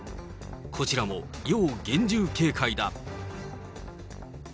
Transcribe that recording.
こちらも要厳重警戒だ。